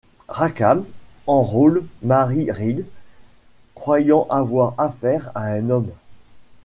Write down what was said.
Rackham enrôle Mary Read, croyant avoir affaire à un homme.